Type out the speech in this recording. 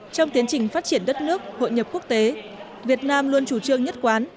trong tiến trình phát triển đất nước hội nhập quốc tế việt nam luôn chủ trương nhất quán